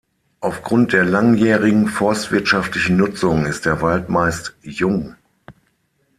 Aufgrund der langjährigen forstwirtschaftlichen Nutzung ist der Wald meist jung.